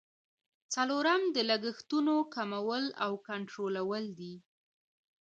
څلورم د لګښتونو کمول او کنټرولول دي.